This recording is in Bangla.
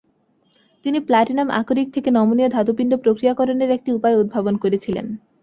তিনি প্ল্যাটিনাম আকরিক থেকে নমনীয় ধাতুপিন্ড প্রক্রিয়াকরণের একটি উপায়ও উদ্ভাবন করেছিলেন।